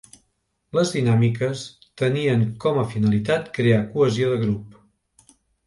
Les dinàmiques tenien com a finalitat crear cohesió de grup.